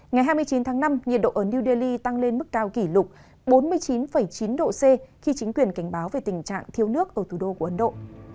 ngày hai mươi chín tháng năm nhiệt độ ở new delhi tăng lên mức cao kỷ lục bốn mươi chín chín độ c khi chính quyền cảnh báo về tình trạng thiếu nước ở thủ đô của ấn độ